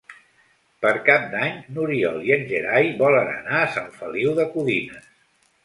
Per Cap d'Any n'Oriol i en Gerai volen anar a Sant Feliu de Codines.